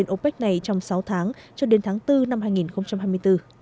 các thành viên opec này trong sáu tháng cho đến tháng bốn năm hai nghìn hai mươi bốn